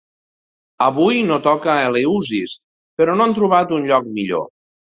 Avui no toca Eleusis, però no han trobat un lloc millor.